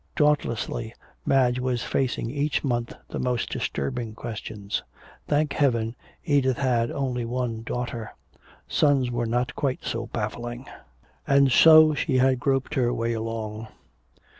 Dauntlessly Madge was facing each month the most disturbing questions. Thank Heaven, Edith had only one daughter. Sons were not quite so baffling. So she had groped her way along.